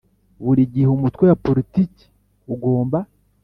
Buri gihe umutwe wa politiki ugomba